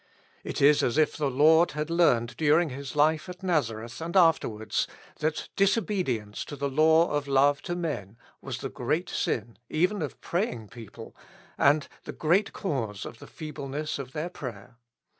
It is as if the Lord had learned during His life at Nazareth and afterwards that disobedience to the law of love to men was the great sin even of praying people, and the great cause of the feebleness of their prayer.